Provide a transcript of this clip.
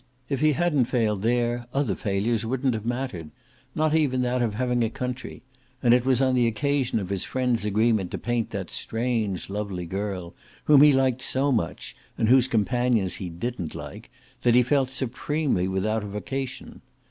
If he hadn't failed there other failures wouldn't have mattered, not even that of not having a country; and it was on the occasion of his friend's agreement to paint that strange lovely girl, whom he liked so much and whose companions he didn't like, that he felt supremely without a vocation.